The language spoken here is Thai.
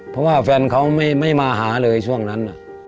เพราะว่าแฟนเขาไม่มาหาเลยช่วงนั้น